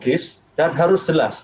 dan itu adalah hal yang harus diperlukan